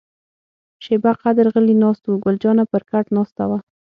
شیبه قدر غلي ناست وو، ګل جانه پر کټ ناسته وه.